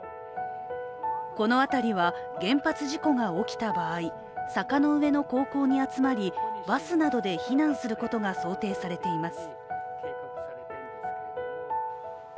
この辺りは原発事故が起きた場合坂の上の高校に集まりバスなどで避難することが想定されています。